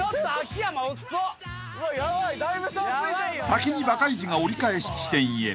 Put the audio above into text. ［先にバカイジが折り返し地点へ］